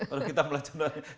baru kita mulai januari